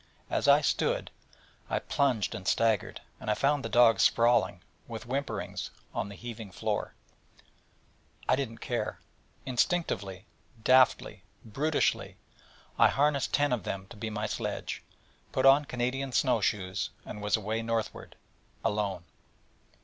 As I stood, I plunged and staggered, and I found the dogs sprawling, with whimperings, on the heaving floor. I did not care. Instinctively, daftly, brutishly, I harnessed ten of them to my sledge; put on Canadian snow shoes: and was away northward alone.